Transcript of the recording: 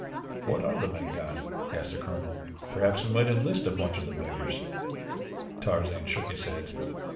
"What are the Mangani?" asked the colonel. "Perhaps we might enlist a bunch of the beggars." Tarzan shook his head.